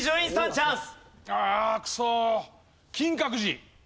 チャンス。